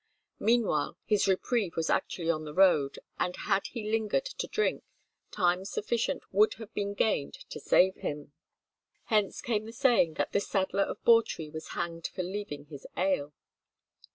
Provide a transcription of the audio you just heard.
Meanwhile his reprieve was actually on the road, and had he lingered to drink time sufficient would have been gained to save him. Hence came the saying that "the saddler of Bawtry was hanged for leaving his ale."